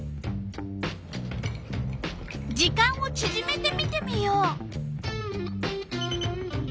時間をちぢめて見てみよう。